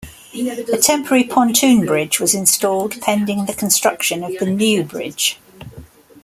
A temporary pontoon bridge was installed pending the construction of the new bridge.